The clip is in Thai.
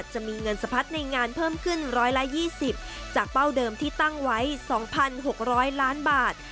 จะมีเงินสะพัดในงานเพิ่มขึ้น๑๒๐จากเป้าเดิมที่ตั้งไว้๒๖๐๐ล้านบาท